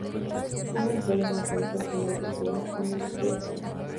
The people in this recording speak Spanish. Tiene su sede en el Colegio de la Trinidad, en Sevilla, Andalucía, España.